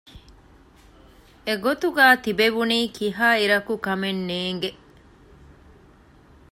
އެގޮތުގައި ތިބެވުނީ ކިހާއިރަކު ކަމެއް ނޭނގެ